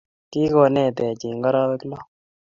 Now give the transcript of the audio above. Kigonetech eng arawek loo